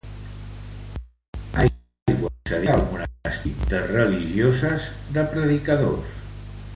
Aigua concedida al monestir de religioses de predicadors.